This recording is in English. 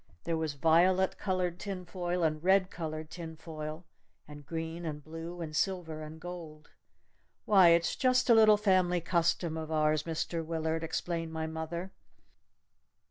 There was violet colored tin foil, and red colored tin foil and green and blue and silver and gold. "Why, it's just a little family custom of ours, Mr. Willard," explained my mother.